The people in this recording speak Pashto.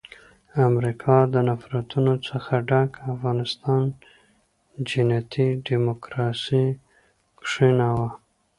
امریکا د نفرتونو څخه ډک افغانستان جنتي ډیموکراسي کښېناوه.